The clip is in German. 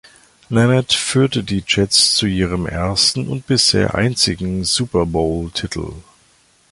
Namath führte die Jets zu ihrem ersten und bisher einzigen Super-Bowl-Titel.